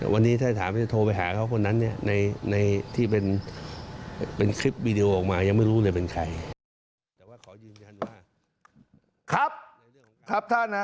วันนี้ถ้าถามที่จะโทรไปหาเขาคนนั้นในที่เป็นคลิปวีดีโอออกมา